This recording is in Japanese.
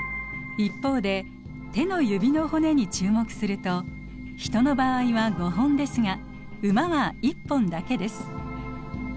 一方で手の指の骨に注目するとヒトの場合は５本ですがウマは１本だけです。